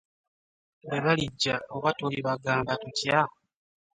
Bwe balijja oba tulibagamba tutya?